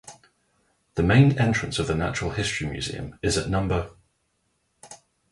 The main entrance of the Natural History Museum at no.